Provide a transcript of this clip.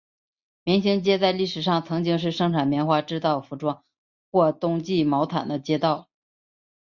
棉行街在历史上曾经是生产棉花制造服装或冬季毛毯的街道。